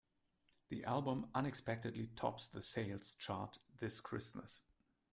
The album unexpectedly tops the sales chart this Christmas.